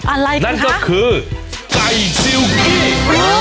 อะไรนั่นก็คือไก่ซิลกี้